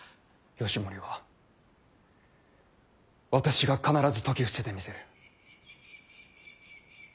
義盛は私が必ず説き伏せてみせる。